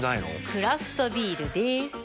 クラフトビールでーす。